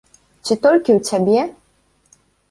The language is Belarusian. Ці толькі ў цябе?